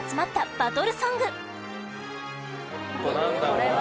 これは。